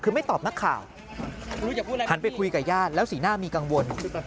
คือไม่ตอบนักข่าวหันไปคุยกับญาติแล้วสีหน้ามีกังวล